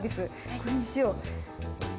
これにしよう。